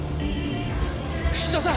菱田さん！